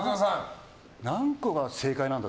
何個が正解なんだ？